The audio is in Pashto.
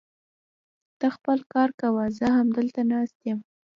ته خپل کار کوه، زه همدلته ناست يم.